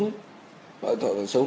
loại tội phạm sống